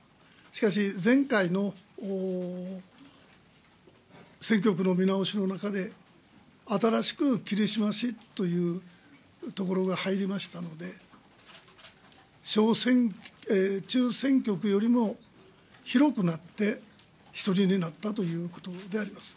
しかし、前回の選挙区の見直しの中で、新しく霧島市という所が入りましたので、中選挙区よりも広くなって１人になったということであります。